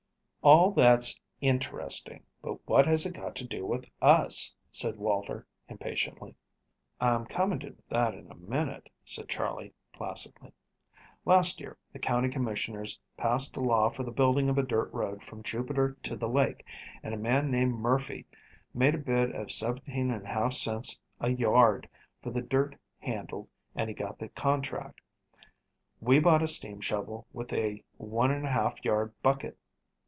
"All that's interesting, but what has it got to do with us?" said Waiter impatiently. "I'm coming to that in a minute," said Charley placidly. "Last year the county commissioners passed a law for the building of a dirt road from Jupiter to the lake, and a man named Murphy made a bid of 17½ cents a yard for the dirt handled and he got the contract. He bought a steam shovel with a 1½ yard bucket.